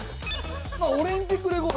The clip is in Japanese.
オリンピックレコード」